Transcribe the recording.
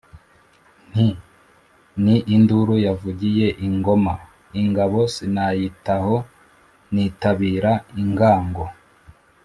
Nti: Ni induru yavugiye i Ngoma, ingabo sinayitaho nitabira ingango,